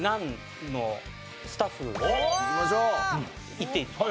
いっていいですか？